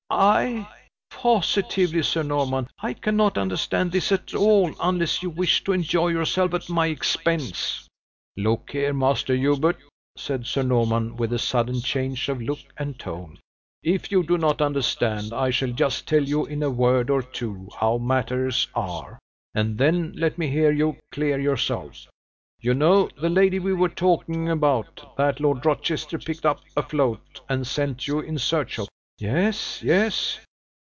"I? Positively, Sir Norman, I cannot understand this at all, unless you wish to enjoy yourself at my expense." "Look here, Master Hubert!" said Sir Norman with a sudden change of look and tone. "If you do not understand, I shall just tell you in a word or two how matters are, and then let me hear you clear yourself. You know the lady we were talking about, that Lord Rochester picked up afloat, and sent you in search of?" "Yes yes."